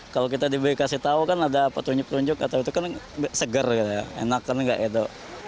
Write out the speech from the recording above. kalau kita diberi kasih tau kan ada petunjuk petunjuk atau itu kan seger gitu ya enak kan gak gitu